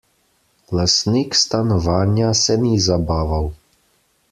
Lastnik stanovanja se ni zabaval.